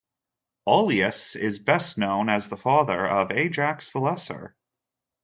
Oileus is best known as the father of Ajax the Lesser.